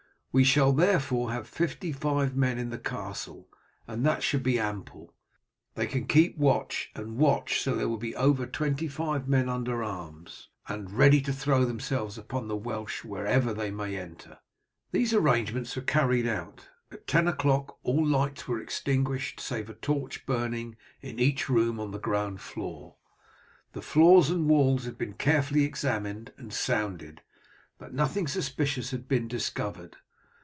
We shall therefore have fifty five men in the castle, and that should be ample. They can keep watch and watch, so there will be over twenty five men under arms, and ready to throw themselves upon the Welsh wherever they may enter." These arrangements were carried out. At ten o'clock all lights were extinguished, save a torch burning in each room on the ground floor. The floors and walls had been carefully examined and sounded, but nothing suspicious had been discovered.